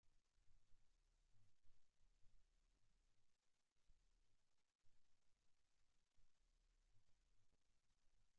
Dieser Roller wurde in Belgien von Peugeot und Honda zusammen gebaut.